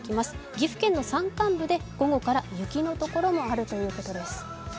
岐阜県の山間部で午後から雪の所もあるということです。